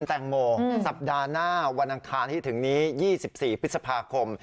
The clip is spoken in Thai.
แตงโมสัปดาห์หน้าวันอังคารที่ถึงนี้๒๔พฤษภาคม